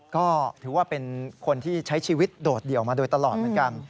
ก็ถือว่าเป็นคนที่ใช้ชีวิตโดดเดี่ยวมาโดยตลอดเหมือนกัน